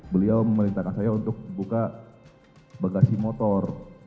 beliau memerintahkan saya untuk buka bagasi motor